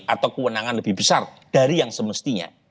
atau kewenangan lebih besar dari yang semestinya